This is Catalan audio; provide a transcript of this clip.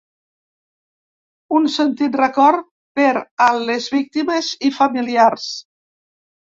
Un sentit record per a les víctimes i familiars.